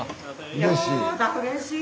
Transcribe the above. うれしい？